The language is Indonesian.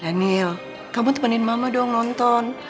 daniel kamu tepenin mama dong nonton